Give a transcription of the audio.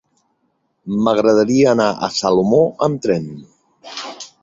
M'agradaria anar a Salomó amb tren.